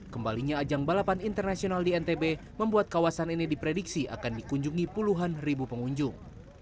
kembalinya ajang balapan internasional di ntb membuat kawasan ini diprediksi akan dikunjungi puluhan ribu pengunjung